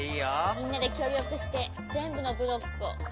みんなできょうりょくしてぜんぶのブロックを。